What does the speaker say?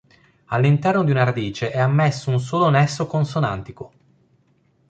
All'interno di una radice è ammesso un solo nesso consonantico.